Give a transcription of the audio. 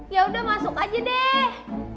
ya udah masuk aja deh